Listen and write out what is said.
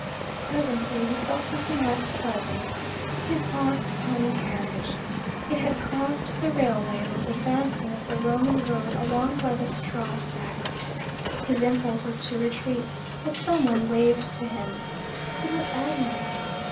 Presently he saw something less pleasant his aunt's pony carriage. It had crossed the railway, and was advancing up the Roman road along by the straw sacks. His impulse was to retreat, but someone waved to him. It was Agnes.